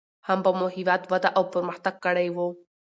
هم به مو هېواد وده او پرمختګ کړى و.